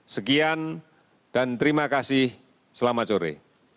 sekian dan terima kasih selamat sore